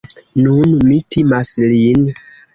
Nun, mi timas lin.